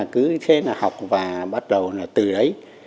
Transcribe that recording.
cứ thế là học và bắt đầu là từ đấy